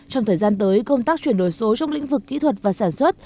trong thời gian tới công tác chuyển đổi số trong lĩnh vực kỹ thuật và sản xuất